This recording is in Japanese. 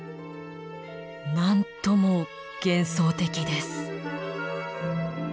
なんとも幻想的です。